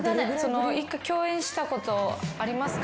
１回共演したことありますか？